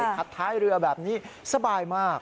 คัดท้ายเรือแบบนี้สบายมาก